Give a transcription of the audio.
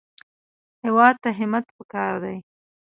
هېواد ته همت پکار دی